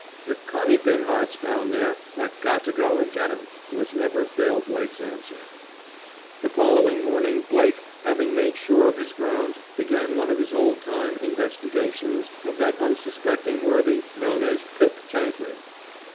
"If Connie Binhart's down there I've got to go and get him," was Never Fail Blake's answer. The following morning Blake, having made sure of his ground, began one of his old time "investigations" of that unsuspecting worthy known as Pip Tankred.